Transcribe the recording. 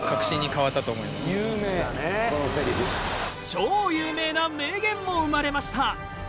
超有名な名言も生まれました。